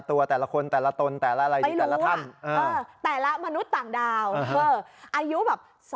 แอบ